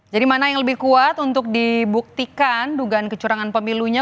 jadi mana yang lebih kuat untuk dibuktikan dugaan kecurangan pemilunya